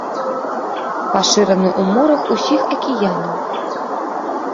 Пашыраны ў морах усіх акіянаў.